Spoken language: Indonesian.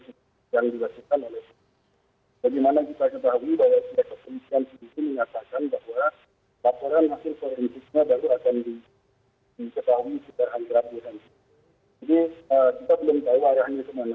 itu artinya menjadi lebih baik kondisinya